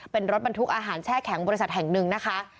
เป็นรถบรรทุกอาหารแช่แข็งบริษัทแห่งหนึ่งนะคะ